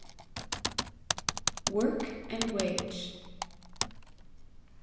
WORK AND WAGE.